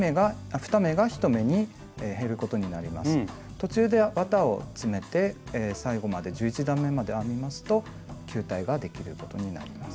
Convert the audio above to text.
途中で綿を詰めて最後まで１１段めまで編みますと球体ができることになります。